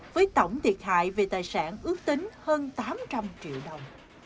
với tổng thiệt hại về tài sản ước tính hơn tám trăm linh triệu đồng